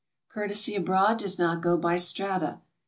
Courtesy abroad does not go by strata.